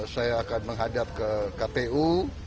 saya akan menghadap ke kpu